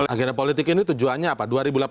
agenda politik ini tujuannya apa